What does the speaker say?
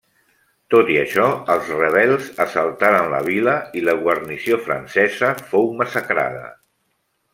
Tot i això, els rebels assaltaren la vila i la guarnició francesa fou massacrada.